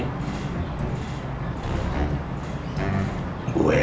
kakak tinggal di sini lagi